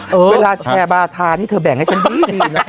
เวลาแชร์บาธานี่เธอแบ่งให้ฉันดีนะคะ